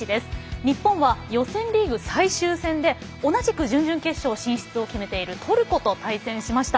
日本は予選リーグ最終戦で同じく準々決勝進出を決めているトルコと対戦しました。